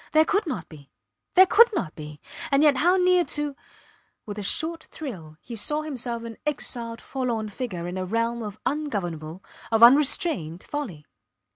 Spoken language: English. There could not be! There could not be! And yet how near to ... With a short thrill he saw himself an exiled forlorn figure in a realm of ungovernable, of unrestrained folly.